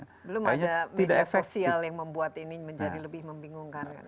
belum ada media sosial yang membuat ini menjadi lebih membingungkan